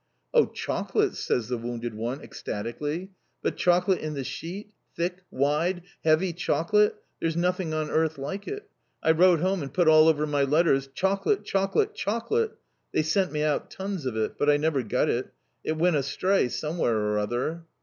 "Oh, chocolates!" says the wounded one, ecstatically. "But chocolate in the sheet thick, wide, heavy chocolate there's nothing on earth like it! I wrote home, and put all over my letters, Chocolate, chocolate, CHOCOLATE. They sent me out tons of it. But I never got it. It went astray, somewhere or other."